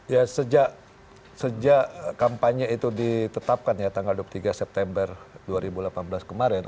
ya sejak kampanye itu ditetapkan ya tanggal dua puluh tiga september dua ribu delapan belas kemarin